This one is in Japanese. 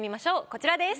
こちらです。